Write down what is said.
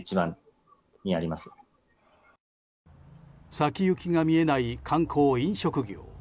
先行きが見えない観光・飲食業。